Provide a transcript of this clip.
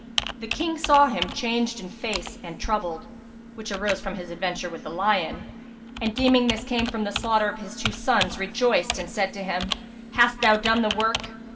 The King saw him changed in face and troubled (which arose from his adventure with the lion) and, deeming this came of the slaughter of his two sons, rejoiced and said to him, "Hast thou done the work?"